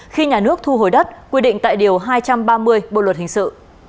khi nhà nước thu hồi đất quy định tại điều hai trăm ba mươi bộ luật hình sự